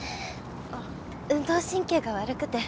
運動神経が悪くて。